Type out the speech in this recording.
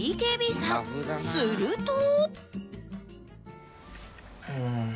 すると